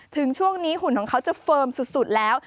ถึงช่วงนี้หุ่นของเขาจะเฟิร์มสุดแล้ว